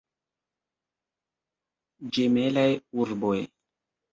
Ĝemelaj urboj.